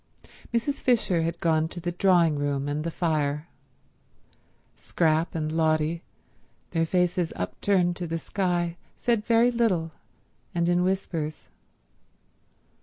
Mrs. Fisher had gone to the drawing room and the fire. Scrap and Lotty, their faces upturned to the sky, said very little and in whispers.